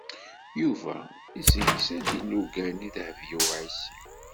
Yuba yessegza-d ilugan i Dehbiya u Ɛisiw.